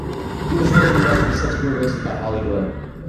He was ridden in most of his subsequent races by Hollie Doyle.